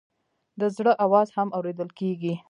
د زړه آواز هم اورېدل کېږي.